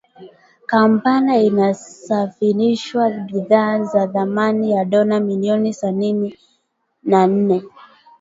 Kampala inasafirisha bidhaa za thamani ya dola milioni sanini na nne